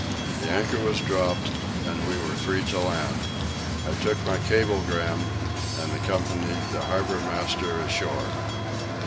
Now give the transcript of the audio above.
The anchor was dropped, and we were free to land. I took my cablegrams, and accompanied the harbour master ashore.